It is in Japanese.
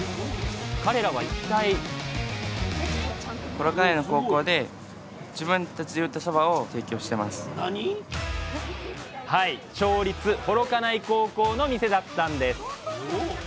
彼らは一体なに⁉町立幌加内高校の店だったんです。